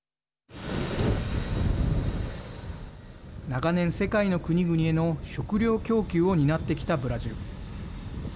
長年、世界の国々への食糧供給を担ってきたブラジル。